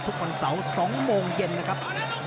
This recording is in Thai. ทุกวันเสาร์๒โมงเย็นนะครับ